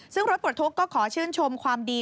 ซึ่งรถปลดทุกข์ก็ขอชื่นชมความดี